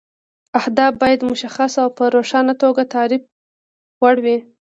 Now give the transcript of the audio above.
اهداف باید مشخص او په روښانه توګه د تعریف وړ وي.